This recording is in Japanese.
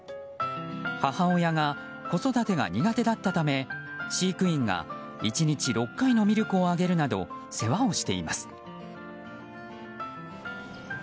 母親が子育てが苦手だったため飼育員が１日６回のミルクをあげるなど世話をしています。